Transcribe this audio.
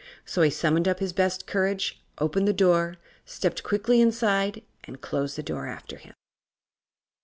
So he summoned up his best courage, opened the door, stepped quickly inside and closed the door after him.